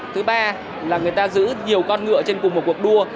thứ ba là người ta giữ nhiều con ngựa trên cùng một cuộc đua